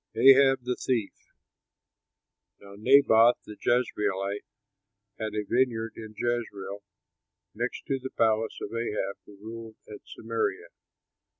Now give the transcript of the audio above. AHAB THE THIEF Now Naboth, the Jezreelite, had a vineyard in Jezreel next to the palace of Ahab, who ruled at Samaria.